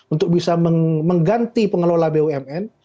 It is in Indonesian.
untuk bisa mengganti pengelola bumn